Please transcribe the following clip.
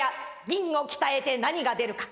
銀を鍛えて何が出るか。